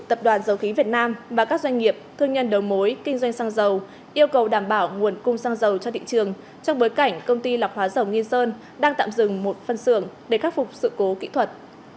tập đoàn dầu khí việt nam và các doanh nghiệp thương nhân đầu mối kinh doanh xăng dầu yêu cầu đảm bảo nguồn cung xăng dầu cho thị trường trong bối cảnh công ty lọc hóa dầu nghi sơn đang tạm dừng một phân xưởng để khắc phục sự cố kỹ thuật